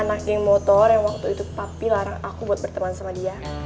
anak geng motor yang waktu itu papi larang aku berbicara sama dia